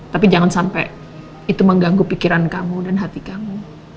tapi jangan sampai itu mengganggu pikiran kamu dan hati kamu